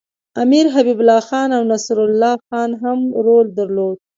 امیر حبیب الله خان او نصرالله خان هم رول درلود.